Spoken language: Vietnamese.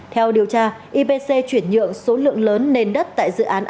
theo điều tra ipc chuyển nhượng số lượng lớn nền đất tại dự án an phú